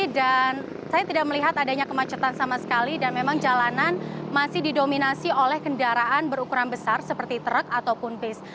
dan saya tidak melihat adanya kemacetan sama sekali dan memang jalanan masih didominasi oleh kendaraan berukuran besar seperti truk ataupun bus